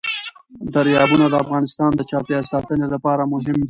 دریابونه د افغانستان د چاپیریال ساتنې لپاره مهم دي.